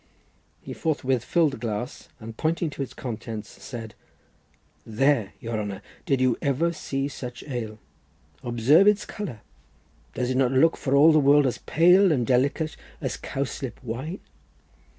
He forthwith filled the glass, and pointing to its contents, said— "There, your honour, did you ever see such ale? Observe its colour! Does it not look for all the world as pale and delicate as cowslip wine?"